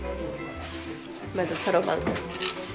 まずそろばん。